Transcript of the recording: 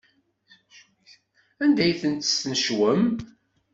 Anda ay ten-tesnecwem?